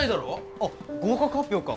あっ合格発表か。